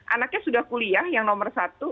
anaknya sudah kuliah yang nomor satu